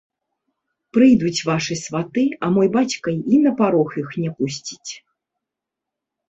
Прыйдуць вашы сваты, а мой бацька і на парог іх не пусціць.